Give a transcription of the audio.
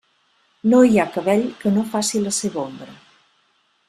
No hi ha cabell que no faci la seva ombra.